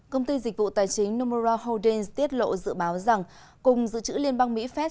công ty dịch vụ tài chính nomura holdings tiết lộ dự báo rằng cùng dự trữ liên bang mỹ phép